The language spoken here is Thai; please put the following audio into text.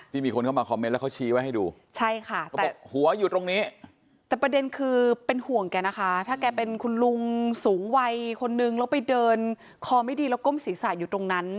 นี่มีคนเข้ามาคอมเมนต์แล้วเขาชี้ไว้ให้ดู